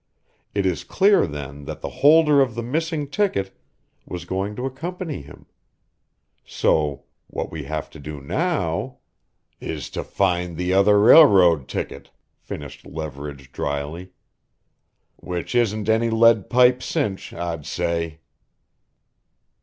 It is clear, then, that the holder of the missing ticket was going to accompany him; so what we have to do now " "Is to find the other railroad ticket," finished Leverage dryly. "Which isn't any lead pipe cinch, I'd say!"